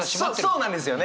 そうなんですよね！